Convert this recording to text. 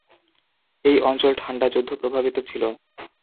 এই অঞ্চল ঠান্ডা যুদ্ধ প্রভাবিত ছিল।